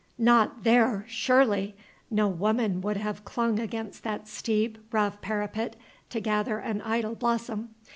Not there, surely! No woman would have clung against that steep, rough parapet to gather an idle blossom.